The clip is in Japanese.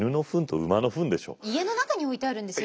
家の中に置いてあるんですよ